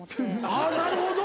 あぁなるほど！